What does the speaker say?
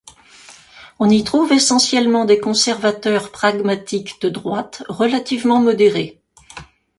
On y trouve essentiellement des conservateurs pragmatiques de droite, relativement modérés.